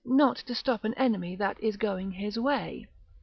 not to stop an enemy that is going his way.